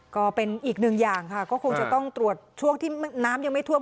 ก็เป็นอีกหนึ่งอย่างค่ะก็คงจะต้องตรวจช่วงที่น้ำยังไม่ท่วม